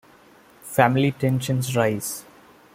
Family tensions rise.